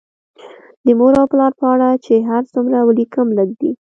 د مور او پلار په اړه چې هر څومره ولیکم لږ دي